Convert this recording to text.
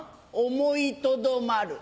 思いとどまる。